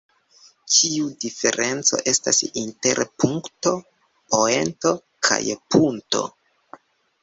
Kiu diferenco estas inter punkto, poento kaj punto?